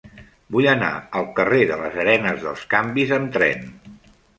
Vull anar al carrer de les Arenes dels Canvis amb tren.